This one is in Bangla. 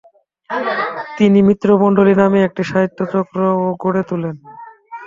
তিনি "মিত্রমণ্ডলী" নামে একটি সাহিত্য চক্রও গড়ে তোলেন।